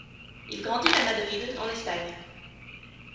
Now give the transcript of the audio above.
Il grandit à Madrid en Espagne.